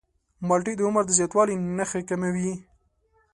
مالټې د عمر د زیاتوالي نښې کموي.